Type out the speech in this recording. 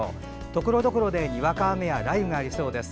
ところどころでにわか雨や雷雨がありそうです。